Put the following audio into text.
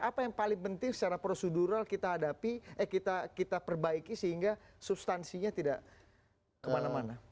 apa yang paling penting secara prosedural kita hadapi eh kita perbaiki sehingga substansinya tidak kemana mana